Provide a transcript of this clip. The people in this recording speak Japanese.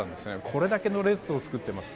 これだけの列を作っています。